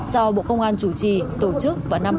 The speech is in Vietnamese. do bộ công an chủ trì tổ chức vào năm hai nghìn hai mươi